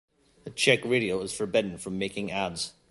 The Czech radio is forbidden from making ads.